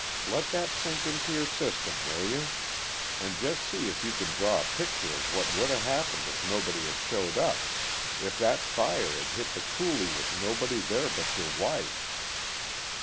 Let that sink into your system, will you? And just see if you can draw a picture of what woulda happened if nobody had showed up if that fire had hit the coulee with nobody there but your wife.